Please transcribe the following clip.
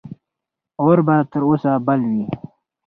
اور به تر اوسه بل وي.